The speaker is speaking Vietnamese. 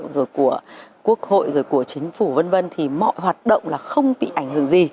rồi của quốc hội rồi của chính phủ v v thì mọi hoạt động là không bị ảnh hưởng gì